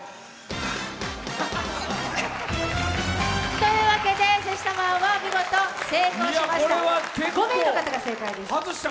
ということでセシタマンは見事成功しました。